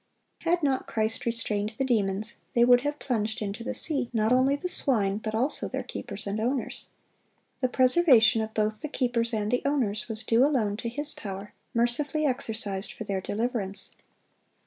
Had not Christ restrained the demons, they would have plunged into the sea, not only the swine, but also their keepers and owners. The preservation of both the keepers and the owners was due alone to His power, mercifully exercised for their deliverance.